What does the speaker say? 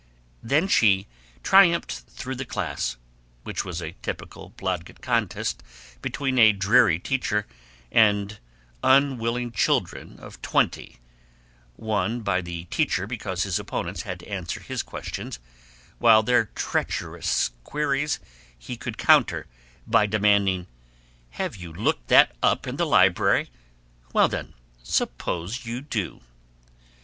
Thus she triumphed through the class, which was a typical Blodgett contest between a dreary teacher and unwilling children of twenty, won by the teacher because his opponents had to answer his questions, while their treacherous queries he could counter by demanding, "Have you looked that up in the library? Well then, suppose you do!"